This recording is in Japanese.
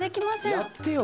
やってよ